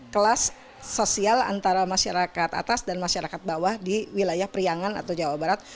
kelas sosial antara masyarakat atas dan masyarakat bawah di wilayah priangan atau jawa barat